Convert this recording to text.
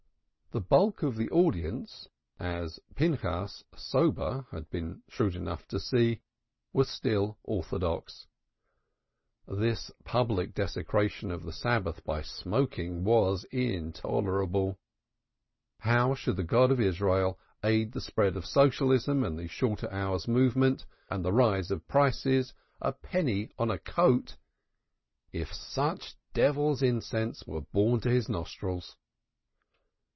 The bulk of the audience, as Pinchas, sober, had been shrewd enough to see, was still orthodox. This public desecration of the Sabbath by smoking was intolerable. How should the God of Israel aid the spread of Socialism and the shorter hours movement and the rise of prices a penny on a coat, if such devil's incense were borne to His nostrils?